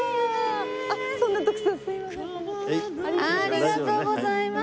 ありがとうございます。